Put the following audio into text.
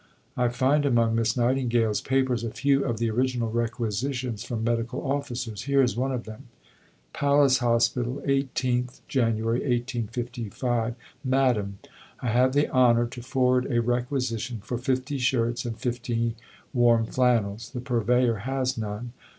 I find among Miss Nightingale's papers a few of the original requisitions from medical officers. Here is one of them: PALACE HOSPITAL, 18_th January_ 1855. MADAM I have the honor to forward a requisition for 50 shirts and 50 warm flannels. The Purveyor has none.